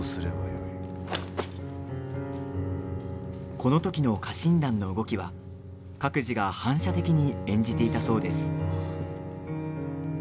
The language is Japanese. この時の家臣団の動きは各自が反射的に演じていたそうです。